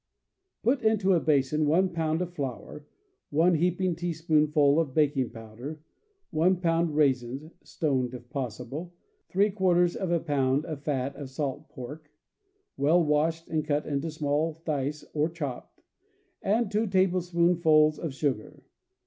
— Put into a basin one pound of flour, one heaping teaspoonful of baking powder, one ^ pound raisins (stoned, if possible), three quarters of a pound of fat of salt pork (well washed and cut into small dice, or chopped), and two tablespoonfuls of sugar.